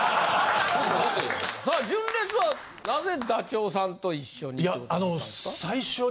さあ純烈はなぜダチョウさんと一緒に。